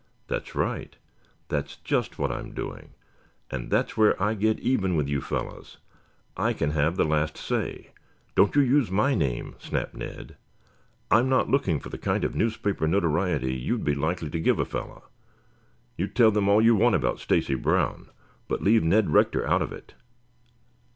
"That's right. That's just what I am doing and that's where I get even with you fellows. I can have the last say " "Don't you use my name," snapped Ned. "I'm not looking for the kind of newspaper notoriety you would be likely to give a fellow. You tell them all you want to about Stacy Brown, but leave Ned Rector out of it."